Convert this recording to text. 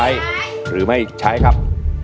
ใช้หรือไม่ใช้ครับ